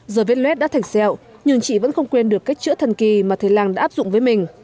giờ viết luet đã thành sẹo nhưng chị vẫn không quên được cách chữa thần kỳ mà thầy lang đã áp dụng với mình